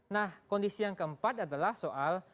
nah kondisi yang keempat adalah soal